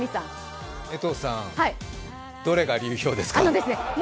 江藤さん、どれが流氷ですか？